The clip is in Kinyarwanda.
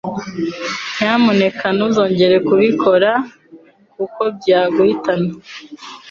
Nyamuneka ntuzongere kubikora kuko byaguhitana.